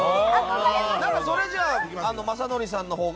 それじゃ、雅紀さんのほうが。